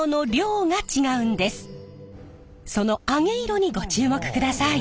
その揚げ色にご注目ください！